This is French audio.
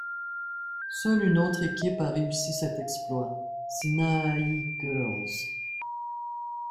Seule une autre équipe a réussi cet exploit, Sinaai Girls.